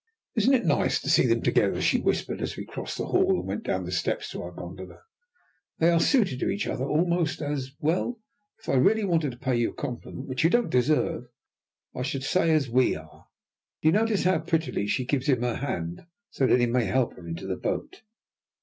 "Isn't it nice to see them together?" she whispered, as we crossed the hall and went down the steps to our gondola. "They are suited to each other almost as well, if I really wanted to pay you a compliment, which you don't deserve, I should say as we are. Do you notice how prettily she gives him her hand so that he may help her into the boat?"